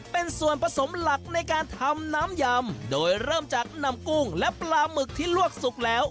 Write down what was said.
เป็นส่วนผสมหลักในการทำน้ำยำโดยเริ่มจากนำกุ้งและปลาหมึกที่ลวกสุกแล้ว